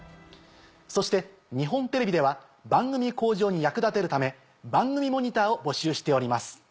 そして日本テレビでは番組向上に役立てるため番組モニターを募集しております。